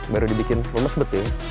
baru dibikin lemes betul